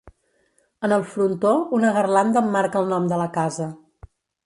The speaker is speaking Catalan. En el frontó, una garlanda emmarca el nom de la casa.